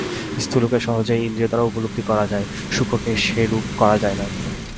স্থূলকে সহজেই ইন্দ্রিয় দ্বারা উপলব্ধি করা যায়, সূক্ষ্মকে সেরূপ করা যায় না।